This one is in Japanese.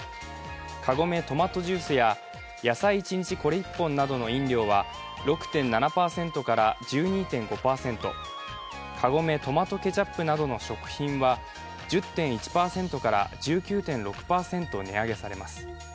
カゴメトマトジュースや野菜一日これ一本などの飲料は６．７％から１２．５％、カゴメトマトケチャップなどの食品は１０．１％から１９．６％値上げされます。